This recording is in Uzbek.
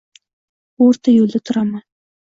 O’rta yo’lda tururman.